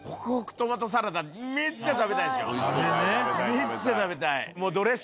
めっちゃ食べたい。